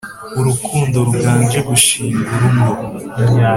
urukundo ruganje gushinga urugo